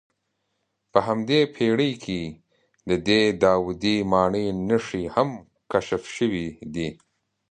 په همدې پېړۍ کې د دې داودي ماڼۍ نښې هم کشف شوې دي.